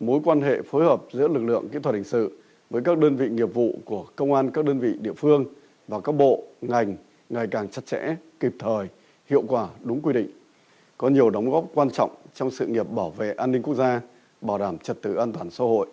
mối quan hệ phối hợp giữa lực lượng kỹ thuật hình sự với các đơn vị nghiệp vụ của công an các đơn vị địa phương và các bộ ngành ngày càng chặt chẽ kịp thời hiệu quả đúng quy định có nhiều đóng góp quan trọng trong sự nghiệp bảo vệ an ninh quốc gia bảo đảm trật tự an toàn xã hội